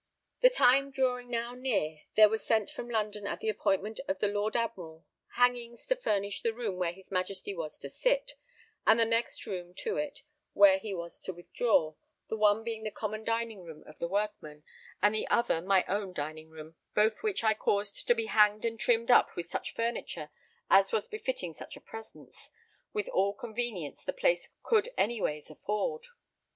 The time drawing now near, there was sent from London at the appointment of the Lord Admiral, hangings to furnish the room where his Majesty was to sit, and the next room to it where he was to withdraw, the one being the common dining room of the workmen, and the other my own dining room, both which I caused to be hanged and trimmed up with such furniture as was befitting such a presence, with all convenience the place could any ways afford.